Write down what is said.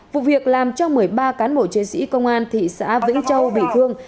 vụ việc làm cho một mươi ba cán bộ chiến sĩ công an thị xã vĩnh châu bị thương